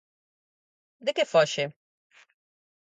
De que foxe?